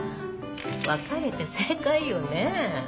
別れて正解よね。